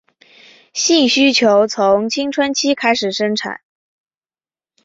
性需求从青春期开始产生。